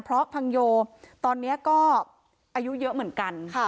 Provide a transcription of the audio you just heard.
เพราะพังโยตอนนี้ก็อายุเยอะเหมือนกัน